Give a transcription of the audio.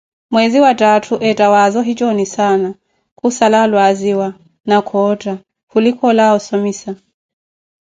Mweze wa thaathu, eetha waza ohitxonissana, khussala alwaziwa na khootha, khulika ólawa ossomima